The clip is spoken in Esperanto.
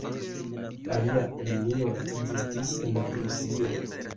Alia linio ekzistis en Prusio.